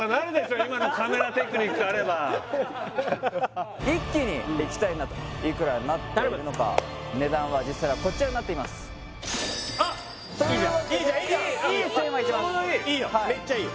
今のカメラテクニックあれば一気にいきたいなといくらになっているのか値段は実際はこちらになっていますあっ！というわけでちょうどいいいいよ